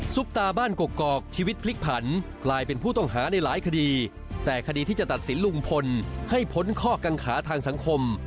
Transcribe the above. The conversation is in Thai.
ตาบ้านกกอกชีวิตพลิกผันกลายเป็นผู้ต้องหาในหลายคดีแต่คดีที่จะตัดสินลุงพลให้พ้นข้อกังขาทางสังคม